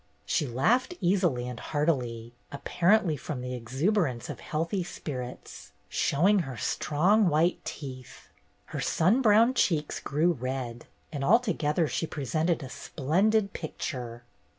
She laughed easily and heartily, apparently from the exuberance of healthy spirits, showing her strong white teeth; her sun browned cheeks grew red, and altogether she presented a splendid pic ture.